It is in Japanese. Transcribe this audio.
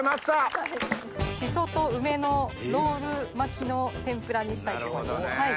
シソと梅のロール巻きの天ぷらにしたいと思います。